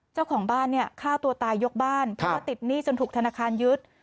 เจ้าของบ้านเนี่ยฆ่าตัวตายยกบ้านเพราะว่าติดหนี้จนถูกธนาคารยึด